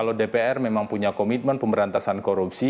kalau dpr memang punya komitmen pemberantasan korupsi